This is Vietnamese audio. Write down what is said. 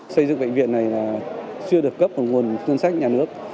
xây dựng bệnh viện này chưa được cấp vào nguồn tuyên sách nhà nước